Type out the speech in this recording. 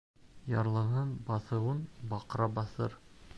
Ярлының баҫыуын баҡра баҫыр.